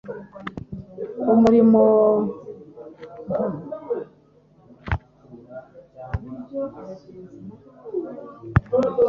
Umuriro uhoraho ukubita utarinze Iteka